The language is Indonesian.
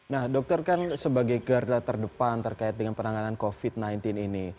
nah dokter kan sebagai garda terdepan terkait dengan penanganan covid sembilan belas ini